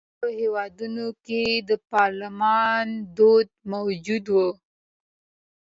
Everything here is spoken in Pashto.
په دواړو هېوادونو کې د پارلمان دود موجود و.